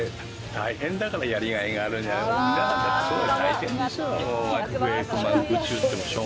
大変だからやりがいがあるんだよ。